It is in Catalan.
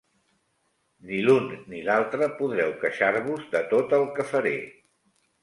Ni l'un ni l'altre podreu queixar-vos de tot el que faré.